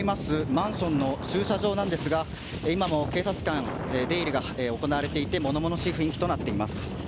マンションの駐車場なんですが今も警察官の出入りが行われていて物々しい雰囲気となっています。